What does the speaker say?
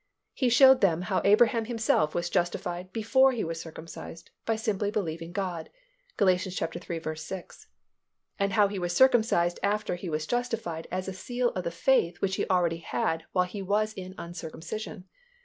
He showed them how Abraham himself was justified before he was circumcised by simply believing God (Gal. iii. 6), and how he was circumcised after he was justified as a seal of the faith which he already had while he was in uncircumcision.